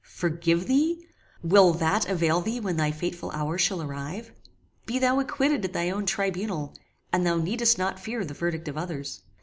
Forgive thee? Will that avail thee when thy fateful hour shall arrive? Be thou acquitted at thy own tribunal, and thou needest not fear the verdict of others.